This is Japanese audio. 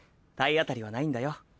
体当たりはないんだよ。